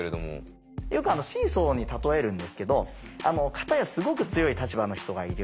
よくシーソーに例えるんですけど片やすごく強い立場の人がいる。